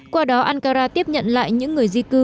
qua đó ankara tiếp nhận lại những người di cư